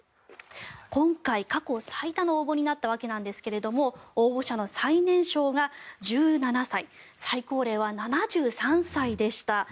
今回、過去最多の応募になったわけなんですが応募者の最年少が１７歳最高齢は７３歳でした。